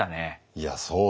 いやそうね。